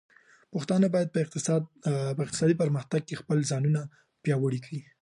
پښتانه بايد په اقتصادي پرمختګ کې خپل ځانونه پياوړي کړي.